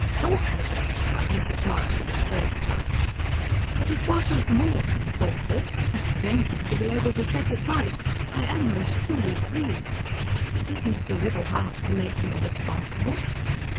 "Thoughtless!" cried Mrs. Morrison a third time. "But it wasn't more than thoughtless. I'd give anything to be able to set it right. I am most truly grieved. But isn't it a little hard to make me responsible?"